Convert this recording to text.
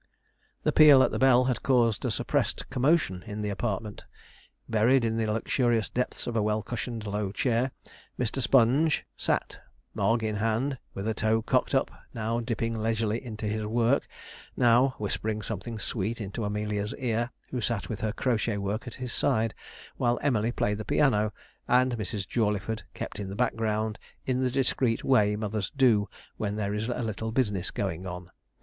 The peal at the bell had caused a suppressed commotion in the apartment. Buried in the luxurious depths of a well cushioned low chair, Mr. Sponge sat, Mogg in hand, with a toe cocked up, now dipping leisurely into his work now whispering something sweet into Amelia's ear, who sat with her crochet work at his side; while Emily played the piano, and Mrs. Jawleyford kept in the background, in the discreet way mothers do when there is a little business going on.